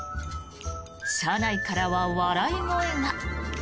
車内からは笑い声が。